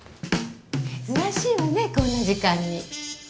珍しいわねこんな時間に。